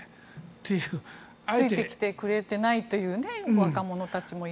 ついてきてくれていないという若者たちも。